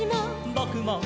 「ぼくも」